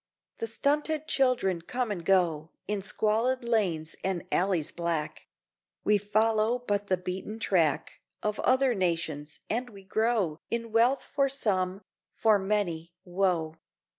The stunted children come and go In squalid lanes and alleys black; We follow but the beaten track Of other nations, and we grow In wealth for some for many, woe.